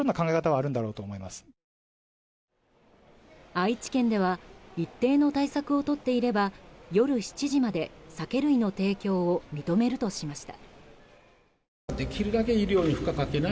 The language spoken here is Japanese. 愛知県では一定の対策をとっていれば夜７時まで、酒類の提供を認めるとしました。